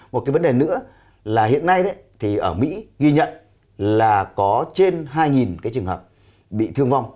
một cái vấn đề nữa là hiện nay thì ở mỹ ghi nhận là có trên hai cái trường hợp bị thương vong